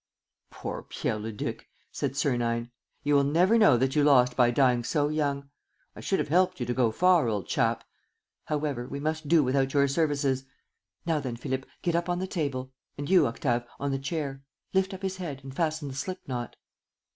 "Poor Pierre Leduc!" said Sernine. "You will never know what you lost by dying so young! I should have helped you to go far, old chap. However, we must do without your services. ... Now then, Philippe, get up on the table; and you, Octave, on the chair. Lift up his head and fasten the slip knot."